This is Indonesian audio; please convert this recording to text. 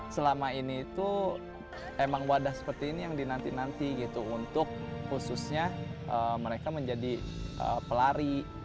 selama ini itu emang wadah seperti ini yang dinanti nanti gitu untuk khususnya mereka menjadi pelari